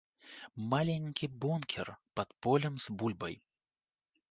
Маленькі бункер пад полем з бульбай.